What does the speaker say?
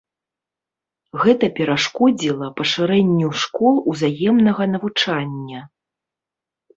Гэта перашкодзіла пашырэнню школ узаемнага навучання.